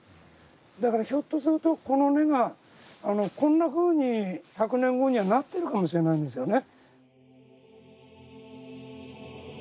だからひょっとするとこの根がこんなふうに１００年後にはなってるかもしれないんですよね。